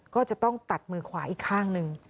ก็จะต้องตัดมือขวาอีกข้างหนึ่ง